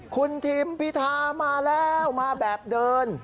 คุณทิมพิธามาแล้วมาแบบเดิน